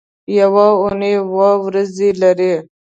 یوه اونۍ اووه ورځې لري